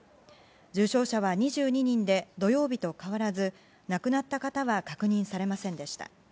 重症者は２２人で土曜日と変わらず亡くなった方は確認されませんでした。